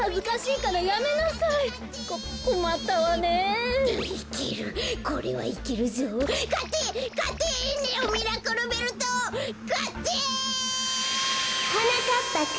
かって！はなかっぱくん。